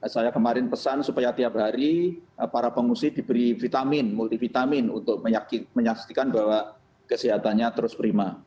saya kemarin pesan supaya tiap hari para pengungsi diberi vitamin multivitamin untuk menyaksikan bahwa kesehatannya terus prima